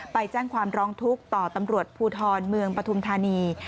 ไปแจ้งความร้องทุกข์ต่อตำรวจภูทรเมืองปฐุมธานี